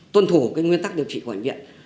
tuân thủ cái nguyên tắc điều trị của bệnh viện